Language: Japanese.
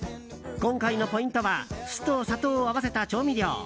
今回のポイントは酢と砂糖を合わせた調味料。